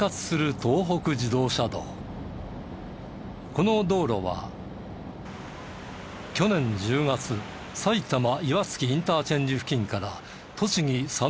この道路は去年１０月埼玉岩槻インターチェンジ付近から栃木佐野藤岡